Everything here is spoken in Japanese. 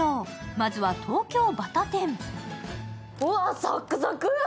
まずは東京バタ天。